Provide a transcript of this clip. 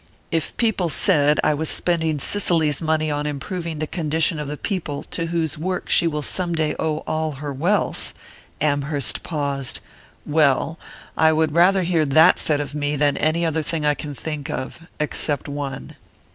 "If people said I was spending Cicely's money on improving the condition of the people to whose work she will some day owe all her wealth " Amherst paused: "Well, I would rather hear that said of me than any other thing I can think of, except one."